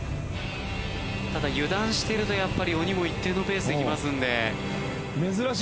ただ油断してるとやっぱり鬼も一定のペースで来ますんで。